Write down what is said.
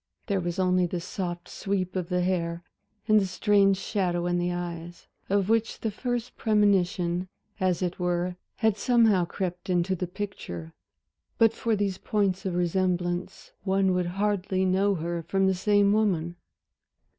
There was only the soft sweep of the hair, and the strange shadow in the eyes of which the first premonition as it were had somehow crept into the picture but for these points of resemblance one would hardly know her for the same woman.